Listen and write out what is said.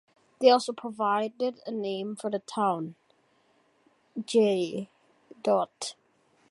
They also provided a name for the town; J.